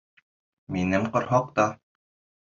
— Минең ҡорһаҡта...